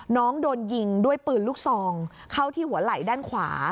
น้องโดนยิงด้วยปืนลูกซองเข้าที่หัวไหล่ด้านขวา